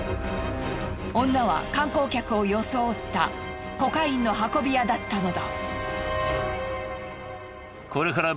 女は観光客を装ったコカインの運び屋だったのだ。